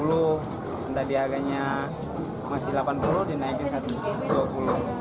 dan tadi harganya masih rp delapan puluh dinaikin rp satu ratus dua puluh